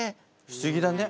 不思議だね。